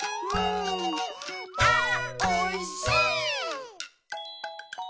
あおいしい！